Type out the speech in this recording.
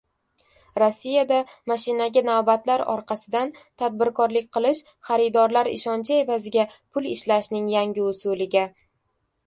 Rossiyada mashinaga navbatlar orqasidan tadbirkorlik qilish xaridorlar ishonchi evaziga pul ishlashning yangi usuliga aylandi